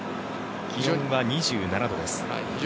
気温は２７度です。